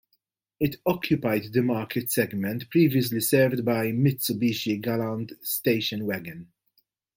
It occupied the market segment previously served by the Mitsubishi Galant station wagon.